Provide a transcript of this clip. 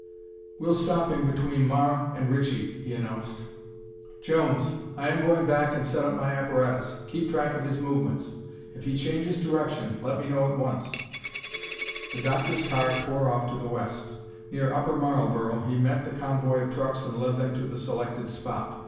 "We'll stop him between Marr and Ritchie," he announced. "Jones, I am going back and set up my apparatus. Keep track of his movements. If he changes direction, let me know at once." The doctor's car tore off to the west. Near Upper Marlboro, he met the convoy of trucks and led them to the selected spot.